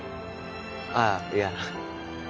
ああいや。